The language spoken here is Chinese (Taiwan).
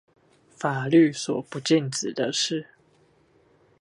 法律所不禁止的事